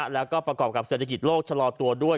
แล้วก็ประกอบกับเศรษฐกิจโลกชะลอตัวด้วย